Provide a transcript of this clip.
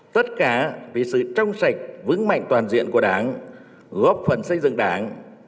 tất cả vì sự trong sạch vững mạnh toàn diện của đảng góp phần xây dựng đảng